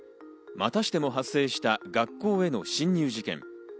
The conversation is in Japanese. またしても発生した学校への侵入事件。